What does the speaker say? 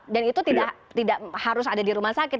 dan itu tidak harus ada di rumah sakit